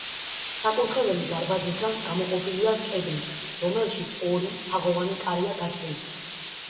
საკურთხეველი დარბაზისგან გამოყოფილია კედლით, რომელშიც ორი თაღოვანი კარია გაჭრილი.